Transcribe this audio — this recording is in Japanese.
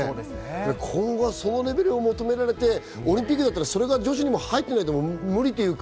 今後はそのレベルが求められてオリンピックだったら女子もそれが入っていないと無理っていうか。